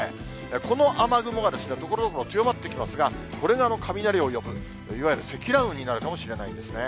この雨雲がところどころ、強まってきますが、これが雷を呼ぶ、いわゆる積乱雲になるかもしれないんですね。